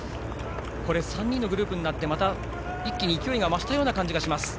３人のグループになってまた、一気に勢いが増した感じです。